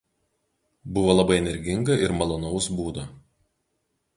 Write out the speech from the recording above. Buvo labai energinga ir malonaus būdo.